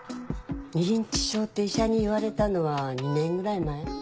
認知症って医者に言われたのは２年ぐらい前。